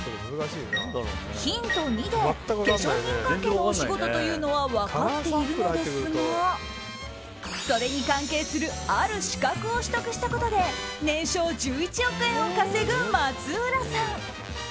ヒント２で化粧品関係のお仕事というのは分かっているのですがそれに関係するある資格を取得したことで起業して２年間月収